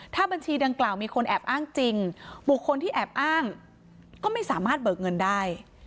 ถ้าบัญชีดังกล่าวมีคนแอบอ้างจริงบุคคลที่แอบอ้างก็ไม่สามารถเบิกเงินได้